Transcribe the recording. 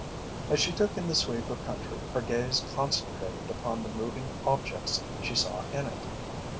As she took in the sweep of country her gaze concentrated upon the moving objects she saw in it.